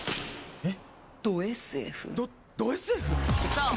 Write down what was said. えっ？